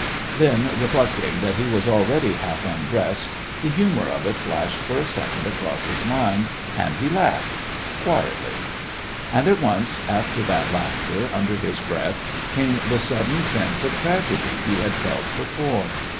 Then, reflecting that he was already half undressed, the humour of it flashed for a second across his mind, and he laughed quietly. And at once, after that laughter, under his breath, came the sudden sense of tragedy he had felt before.